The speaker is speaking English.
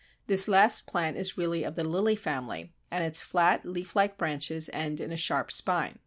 This last plant is really of the Lily family, and its flat leaf like branches end in a sharp spine.